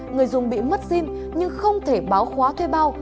người dùng bị mất sim nhưng không thể báo khóa thuê bao